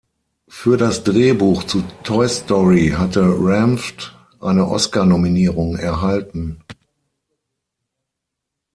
Für das Drehbuch zu Toy Story hatte Ranft eine Oscar-Nominierung erhalten.